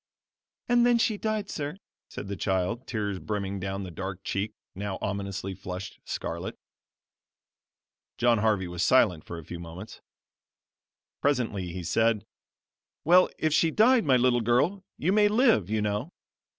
"And then she died, sir," said the child; tears brimming down the dark cheek now ominously flushed scarlet. John Harvey was silent for a few moments. Presently he said: "Well, if she died, my little girl, you may live, you know."